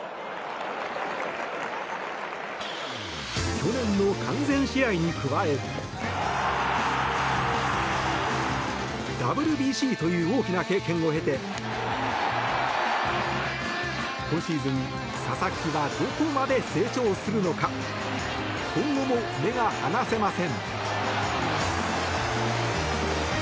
去年の完全試合に加えＷＢＣという大きな経験を経て今シーズン、佐々木はどこまで成長するのか今後も目が離せません。